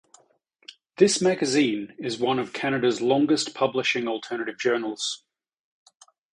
"This Magazine" is one of Canada's longest-publishing alternative journals.